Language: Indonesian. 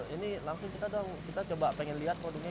ini langsung kita dong kita coba pengen lihat produknya